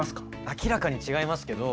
明らかに違いますけど。